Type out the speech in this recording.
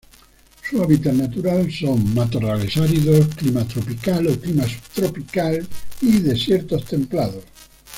Su hábitat natural son: matorrales áridos, Clima tropical o Clima subtropical y desiertos templados.